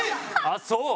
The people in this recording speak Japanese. あっそう！